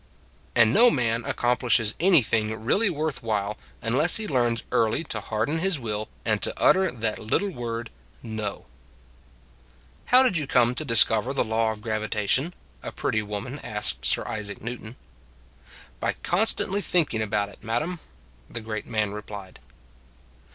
And no man accomplishes anything really worth while unless he learns early It Ruined Michelangelo 135 to harden his will and to utter that little word no. " How did you come to discover the law of gravitation?" a pretty woman asked Sir Isaac Newton. " By constantly thinking about it, madam," the great man replied.